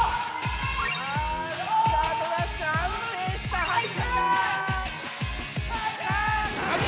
さあスタートダッシュ安定した走りだ！